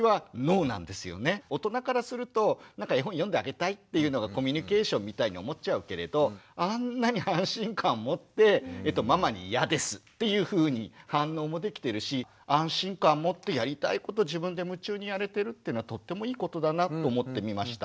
大人からすると絵本読んであげたいっていうのがコミュニケーションみたいに思っちゃうけれどあんなに安心感もってママに「いやです」っていうふうに反応もできてるし安心感もってやりたいこと自分で夢中にやれてるっていうのはとってもいいことだなと思って見ました。